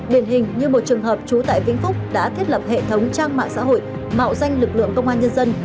điển hình như một trường hợp trú tại vĩnh phúc đã thiết lập hệ thống trang mạng xã hội mạo danh lực lượng công an nhân dân